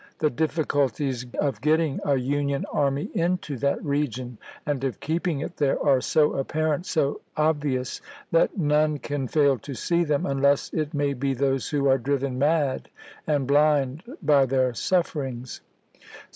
The difficulties of getting a Union army into that region, and of keeping it there, are so apparent — so ob vious— that none can fail to see them, unless it may be those who are driven mad and bhnd by their sufferings.